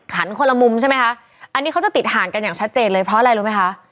คนละมุมใช่ไหมคะอันนี้เขาจะติดห่างกันอย่างชัดเจนเลยเพราะอะไรรู้ไหมคะ